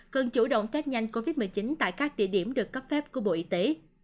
cần chủ động tết nhanh covid một mươi chín tại các địa điểm được cấp phép của bộ y tế